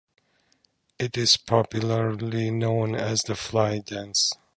It is popularly known as the fly dance.